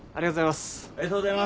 ありがとうございます。